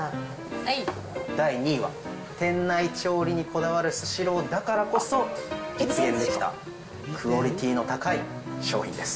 第２位は、店内調理にこだわるスシローだからこそ、実現できたクオリティの高い商品です。